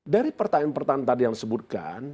dari pertanyaan pertanyaan tadi yang disebutkan